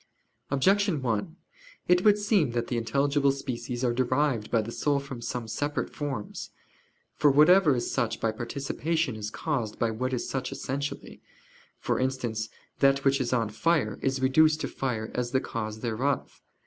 Objection 1: It would seem that the intelligible species are derived by the soul from some separate forms. For whatever is such by participation is caused by what is such essentially; for instance, that which is on fire is reduced to fire as the cause thereof.